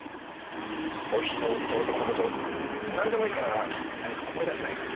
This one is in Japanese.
盗品を売った男の事なんでもいいから何か思い出せないかな？